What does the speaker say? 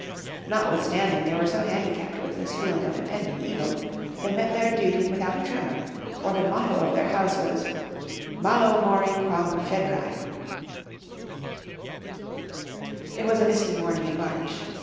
Notwithstanding they were so handicapped with this feeling of impending evil, they met their duty without a tremor; for the motto of their house was, "Malo Mori Quam Fedrai." It was a misty morning in March.